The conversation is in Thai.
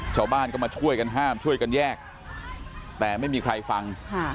ชาวบ้านก็มาช่วยกันห้ามช่วยกันแยกแต่ไม่มีใครฟัง